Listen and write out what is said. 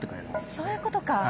あそういうことか。